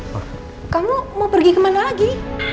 kok kamu mau pergi kemana lagi